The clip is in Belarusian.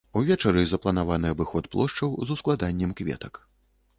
Увечары запланаваны абыход плошчаў з ускладаннем кветак.